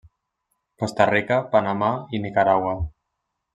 Costa Rica, Panamà i Nicaragua.